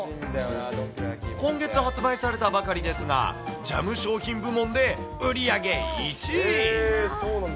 今月発売されたばかりですが、ジャム商品部門で売り上げ１位。